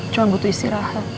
cuma butuh istirahat